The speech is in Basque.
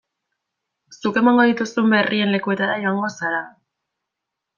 Zuk emango dituzun berrien lekuetara joango zara.